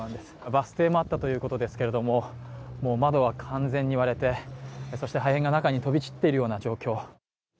バス停もあったということですけれども、窓は完全に割れてそして破片が中に飛び散っているような状況。